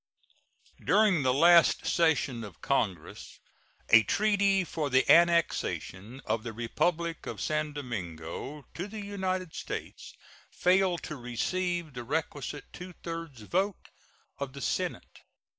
During the last session of Congress a treaty for the annexation of the Republic of San Domingo to the United States failed to receive the requisite two thirds vote of the Senate.